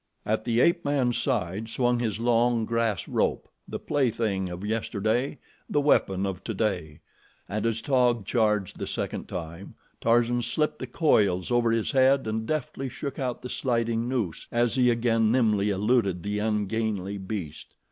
At the ape man's side swung his long grass rope the play thing of yesterday, the weapon of today and as Taug charged the second time, Tarzan slipped the coils over his head and deftly shook out the sliding noose as he again nimbly eluded the ungainly beast.